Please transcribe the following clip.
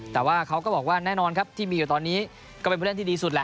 แต่ว่าเขาก็บอกว่าแน่นอนครับที่มีอยู่ตอนนี้ก็เป็นผู้เล่นที่ดีสุดแหละ